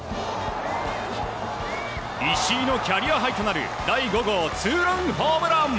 石井のキャリアハイとなる第５号ツーランホームラン。